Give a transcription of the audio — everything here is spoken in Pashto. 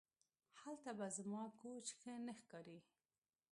هلته به زما کوچ ښه نه ښکاري